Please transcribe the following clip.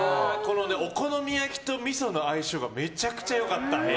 お好み焼きとみその相性がめちゃくちゃ良かった。